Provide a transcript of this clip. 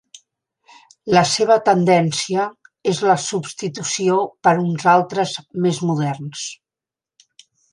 La seva tendència és la substitució per uns altres més moderns.